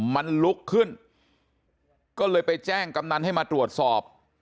มันลุกขึ้นก็เลยไปแจ้งกำนันให้มาตรวจสอบ